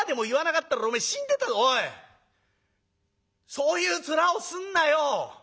そういう面をすんなよ。